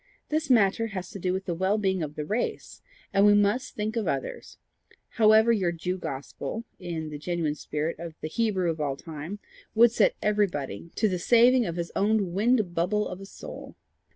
This matter has to do with the well being of the race; and we MUST think of others, however your Jew gospel, in the genuine spirit of the Hebrew of all time, would set everybody to the saving of his own wind bubble of a soul.